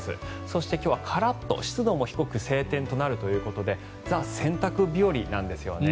そして、今日はカラッと湿度も低く晴天となるということでザ・洗濯日和なんですよね。